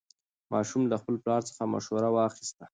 ماشوم له خپل پلار څخه مشوره واخیسته